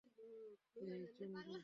এই, চুন্ডি।